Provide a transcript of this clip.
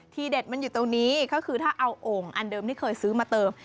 เด็ดมันอยู่ตรงนี้ก็คือถ้าเอาโอ่งอันเดิมที่เคยซื้อมาเติม